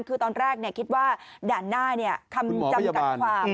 คือตอนแรกคิดว่าด่านหน้าคำจำกัดความ